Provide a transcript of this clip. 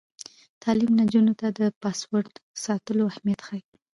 تعلیم نجونو ته د پاسورډ ساتلو اهمیت ښيي.